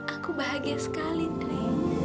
aku bahagia sekali re